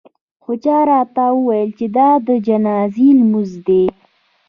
خو چا راته وویل چې دا د جنازې لمونځ دی.